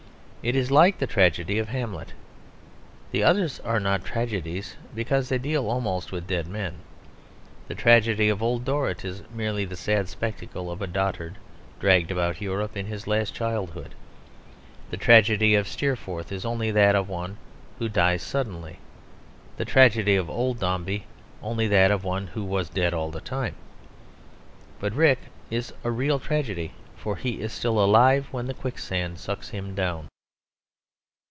It is like the tragedy of Hamlet. The others are not tragedies because they deal almost with dead men. The tragedy of old Dorrit is merely the sad spectacle of a dotard dragged about Europe in his last childhood. The tragedy of Steerforth is only that of one who dies suddenly; the tragedy of old Dombey only that of one who was dead all the time. But Rick is a real tragedy, for he is still alive when the quicksand sucks him down.